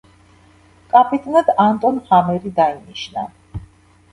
კაპიტნად ანტონ ჰამერი დაინიშნა.